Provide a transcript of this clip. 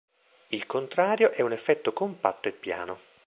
Il contrario è un effetto compatto e piano.